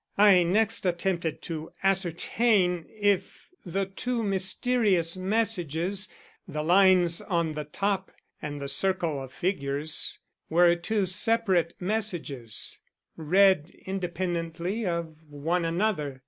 "I next attempted to ascertain if the two mysterious messages the lines on the top and the circle of figures were two separate messages read independently of one another.